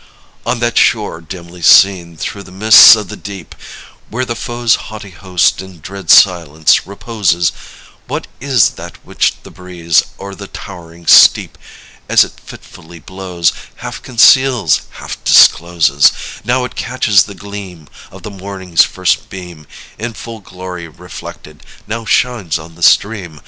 On that shore, dimly seen through the mists of the deep, Where the foe's haughty host in dread silence reposes, What is that which the breeze, o'er the towering steep, As it fitfully blows, half conceals, half discloses; Now it catches the gleam of the morning's first beam, In full glory reflected, now shines on the stream.